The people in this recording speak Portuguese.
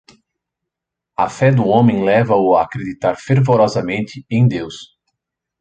a fé do homem leva-o a acreditar fervorosamente em deus